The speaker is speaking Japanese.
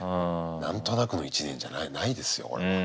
何となくの１年じゃないですよこれは。